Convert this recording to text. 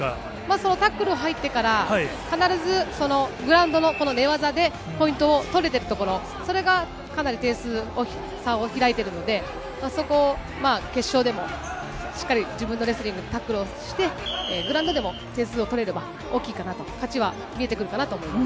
そのタックル入ってから、必ずグラウンドのこの寝技でポイントを取れているところ、それがかなり点数の差を開いてるので、そこを決勝でもしっかり自分のレスリング、タックルをして、グラウンドでも点数を取れれば大きいかなと、勝は見えてくるかなと思います。